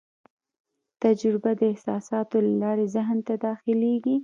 تجربه د احساساتو له لارې ذهن ته داخلېږي.